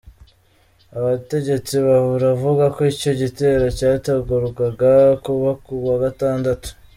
Abategetsi baravuga ko icyo gitero cyategurwaga kuba ku wa gatandatu.